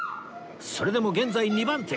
それでも現在２番手